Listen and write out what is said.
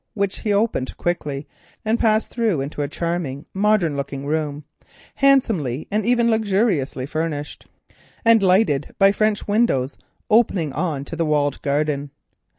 This he opened quickly and passed through into a charming, modern looking room, handsomely and even luxuriously furnished, and lighted by French windows opening on to the walled garden.